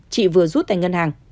chị vừa rút tại ngân hàng